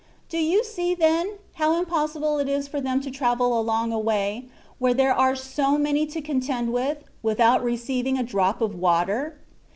Do you see, then, how im possible it is for them to travel along a way where there are so many to contend with, without re ceiving a drop of the water